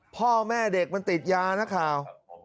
พ่อแม่เด็กมันติดยานักข่าว